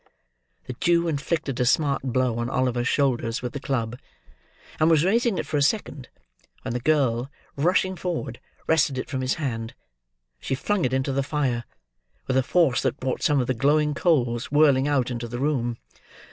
The Jew inflicted a smart blow on Oliver's shoulders with the club; and was raising it for a second, when the girl, rushing forward, wrested it from his hand. She flung it into the fire, with a force that brought some of the glowing coals whirling out into the room.